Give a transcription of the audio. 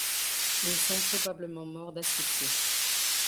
Ils sont probablement morts d'asphyxie.